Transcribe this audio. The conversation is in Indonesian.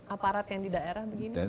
aparat yang di daerah begini